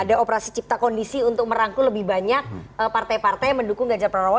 ada operasi cipta kondisi untuk merangkul lebih banyak partai partai mendukung ganjar pranowo